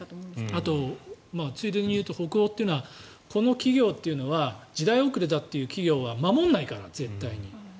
あと、ついでに言うと北欧っていうのは、この企業は時代遅れだという企業は守らないから、絶対に。